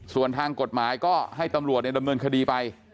ส่วนทางกฎหมายก็ให้ตำรวจดำเนินคดีไป